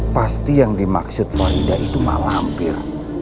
pasti yang dimaksud faridah itu mak lampir